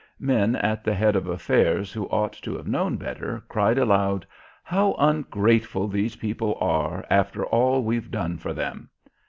Men at the head of affairs who ought to have known better cried aloud, "How ungrateful these people are, after all we've done for them!"